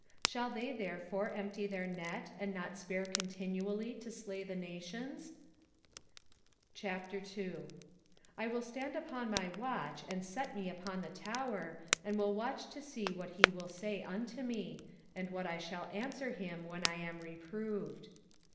1:17 Shall they therefore empty their net, and not spare continually to slay the nations? 2:1 I will stand upon my watch, and set me upon the tower, and will watch to see what he will say unto me, and what I shall answer when I am reproved.